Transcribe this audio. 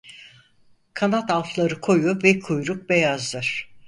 Kanat altları koyu ve kuyruk beyazdır.